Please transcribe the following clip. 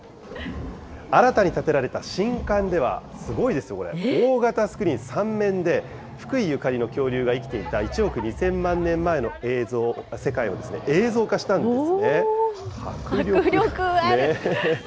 新たに建てられた新館では、すごいですよ、これ、大型スクリーン３面で、福井ゆかりの恐竜が生きていた１億２０００万年前の世界を映像化迫力ある。